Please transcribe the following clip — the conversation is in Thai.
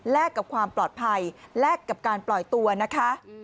กับความปลอดภัยแลกกับการปล่อยตัวนะคะ